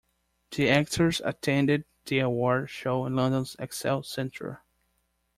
The actors attended the award show in London's excel centre.